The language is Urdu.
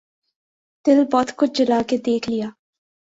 دل بہت کچھ جلا کے دیکھ لیا